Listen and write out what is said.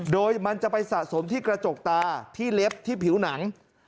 โดยมันจะไปสะสมที่กระจกตาที่เล็บที่ผิวหนัง